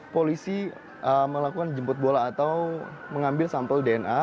polisi melakukan jemput bola atau mengambil sampel dna